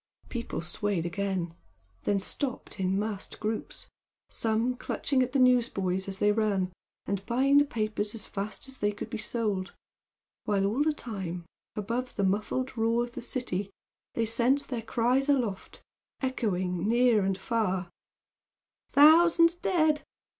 The people swayed again then stopped in massed groups, some clutching at the newsboys as they ran and buying the papers as fast as they could be sold, while all the time above the muffled roar of the city they sent their cries aloft, echoing near and far "Thousands dead!